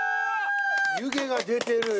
湯気が出てるよ。